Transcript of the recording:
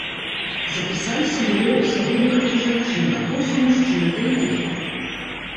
Запісаліся было ўсяго некалькі жанчын, а то ўсё мужчыны, ды і тых нямнога.